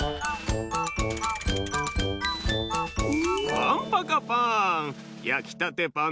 パンパカパーン！